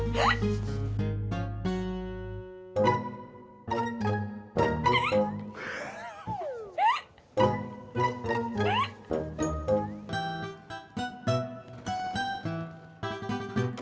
yang kau dikunci